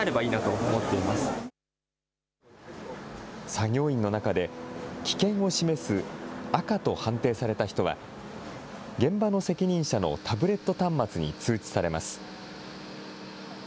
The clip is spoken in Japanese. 作業員の中で、危険を示す赤と判定された人は、現場の責任者のタブレット端末に通知されます。